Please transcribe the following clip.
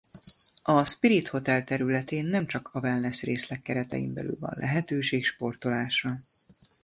A Spirit Hotel területén nem csak a wellness részleg keretein belül van lehetőség sportolásra.